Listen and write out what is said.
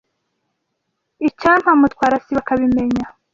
Icyampa Mutwara sibo akabimenya.